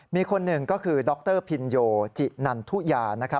มีคนหนึ่งก็คือดรพินโยจินันทุยานะครับ